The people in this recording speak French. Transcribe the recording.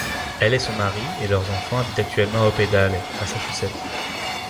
Elle et son mari et leurs enfants habitent actuellement à Hopedale, Massachusetts.